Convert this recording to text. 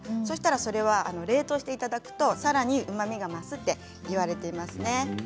それは冷凍していただくとさらにうまみが増すといわれていますね。